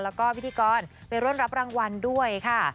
แล้วก็พิธีกรไปร่วมรับรางวัลด้วยค่ะ